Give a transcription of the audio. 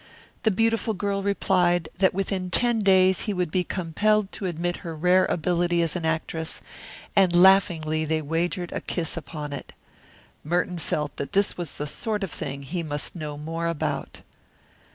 The beautiful girl replied that within ten days he would be compelled to admit her rare ability as an actress, and laughingly they wagered a kiss upon it. Merton felt that this was the sort of thing he must know more about.